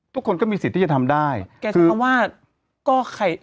ทุกคนจะมีสิทธิ์จะทำได้